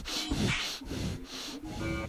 Se encuentra al norte de Irán.